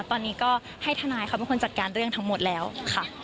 ตอนนี้ก็ให้ทนายเขาเป็นคนจัดการเรื่องทั้งหมดแล้วค่ะ